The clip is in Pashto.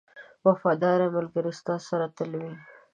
• وفادار ملګری ستا سره تل وي.